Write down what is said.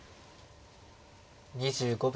２５秒。